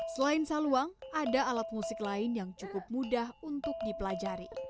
selain saluang ada alat musik lain yang cukup mudah untuk dipelajari